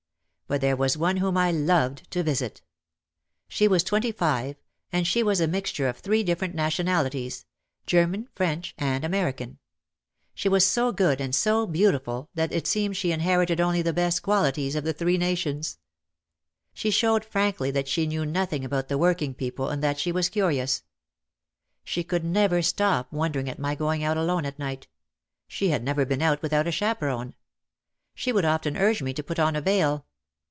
But there was one whom I loved to visit. She was twenty five, and she was a mixture of three different nationalities, German, French and American. She was so good and so beautiful that it seemed she inherited only the best qualities of the three nations. She showed OUT OF THE SHADOW 301 frankly that she knew nothing about the working people and that she was curious. She could never stop wonder ing at my going out alone at night. She had never been out without a chaperon. She would often urge me to put on a veil.